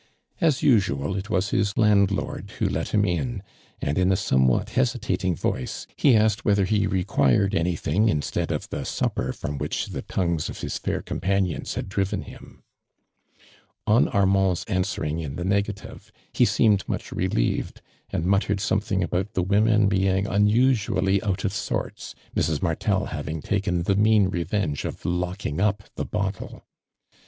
As usual, i( was liis landloi d who let him in, an<l in n somewhat hesitat ing voice ho aske<l whether ho required anything instead of the supper from which the tongues of his fair companions had driven him. a^ ARMAND DURAND. On Armand's answering in tho negative, lie seemed much relieved, and muttered something about the women being unusu ally out of sorts, Mrs. Martel having taken the mean revenge of locking up the bottle.